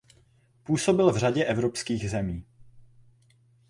Působil v řadě evropských zemí.